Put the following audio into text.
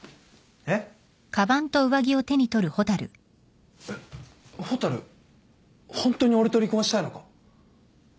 えっ蛍ホントに俺と離婚したいのか？